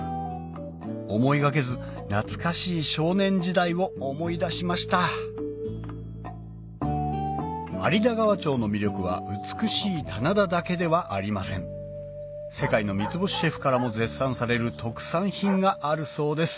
思い掛けず懐かしい少年時代を思い出しました有田川町の魅力は美しい棚田だけではありません世界の三ツ星シェフからも絶賛される特産品があるそうです